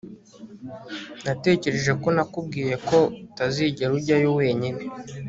Natekereje ko nakubwiye ko utazigera ujyayo wenyine